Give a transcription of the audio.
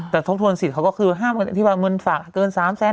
แต่ทบทวนสิทธิ์เขาก็คือห้ามอธิบายเงินฝากเกิน๓แสน